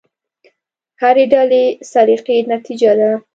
هرې ډلې سلیقې نتیجه ده.